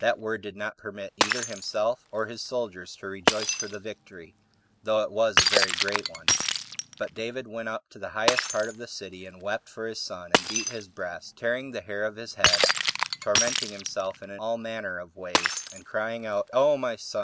That word did not permit either himself or his soldiers to rejoice for the victory, though it was a very great one; but David went up to the highest part of the city, 19 and wept for his son, and beat his breast, tearing [the hair of] his head, tormenting himself all manner of ways, and crying out, "O my son!